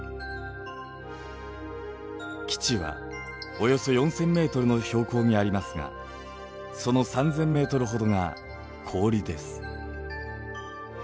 基地はおよそ４，０００ｍの標高にありますがその３，０００ｍほどが氷です。